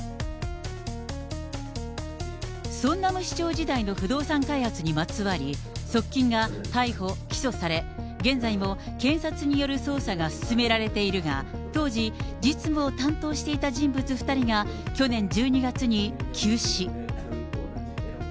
ソンナム市長時代の不動産開発にまつわり、側近が逮捕・起訴され、現在も検察による捜査が進められているが、当時、実務を担当していた人物２人が去年１２月に急死。